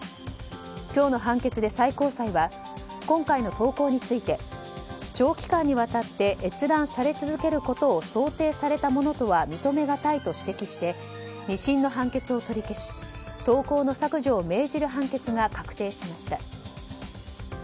今日の判決で、最高裁は今回の投稿について長期間にわたって閲覧され続けることを想定されたものとは認めがたいと指摘して２審の判決を取り消し投稿の削除を命じる判決が確定しました。